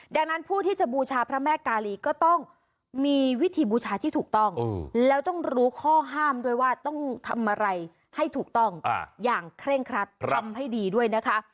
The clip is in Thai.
ดังนั้นผู้ที่จะบูชาพระแม่กาลีก็ต้องมีวิธีบูชาที่ถูกต้องแล้วต้องรู้ข้อห้ามด้วยว่าต้องทำอะไรให้ถูกต้องอย่างเคร่งครัดทำให้ดีด้วยนะคะ